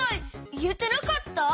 いえてなかった？